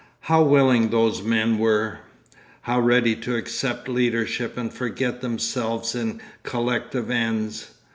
How willing those men were! How ready to accept leadership and forget themselves in collective ends!